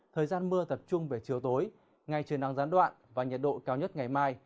thời gian mưa tập trung về chiều tối ngày trời nắng gián đoạn và nhiệt độ cao nhất ngày mai